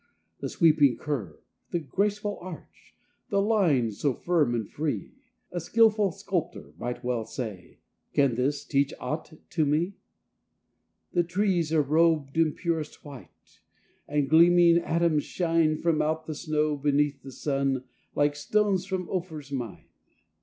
The sweeping curve, the graceful arch, The line so firm and free; A skilful sculptor well might say: "Can this teach aught to me?" The trees are rob'd in purest white, And gleaming atoms shine From out the snow, beneath the sun, Like stones from Ophir's mine.